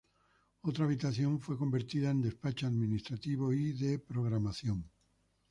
Otra habitación fue convertida en despacho administrativo y de programación.